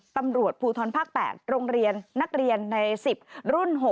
ตำรวจภูทรภาค๘โรงเรียนนักเรียนใน๑๐รุ่น๖